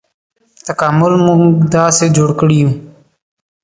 تکامل موږ داسې جوړ کړي یوو.